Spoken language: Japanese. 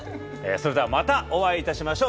それではまたお会いいたしましょう。